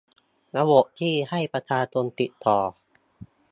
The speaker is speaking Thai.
ระบบที่ให้ประชาชนติดต่อ